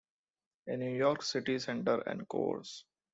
A New York City Center Encores!